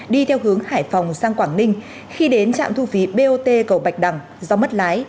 đi theo hướng hải phòng sang quảng ninh khi đến trạm thu phí bot cầu bạch đằng do mất lái